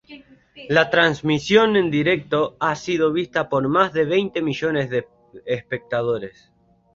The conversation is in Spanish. La transmisión en directo ha sido vista por más de veinte millones de espectadores.